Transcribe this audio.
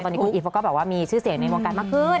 ตอนนี้คุณอิกจะบอกว่ามีชื่อเสียในวงการมาขึ้น